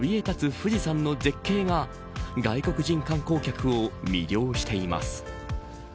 富士山の絶景が外国人観光客を魅了しています。